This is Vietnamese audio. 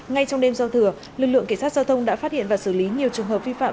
ngay trong đêm giao thừa lực lượng cảnh sát giao thông đã phát hiện và xử lý nhiều trường hợp vi phạm